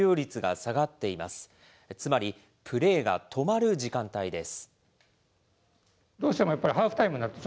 つまり、プレーが止まる時間帯です。